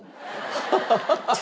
ハハハハ！